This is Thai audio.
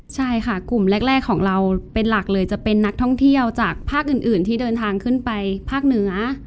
ใช่ค่ะกลุ่มแรกของเราเป็นหลักเลยจะเป็นนักท่องเที่ยวจากภาคอื่นที่เดินทางขึ้นไปภาคเหนือ